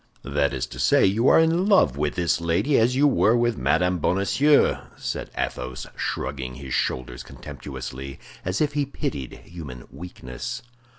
"That is to say, you are in love with this lady as you were with Madame Bonacieux," said Athos, shrugging his shoulders contemptuously, as if he pitied human weakness.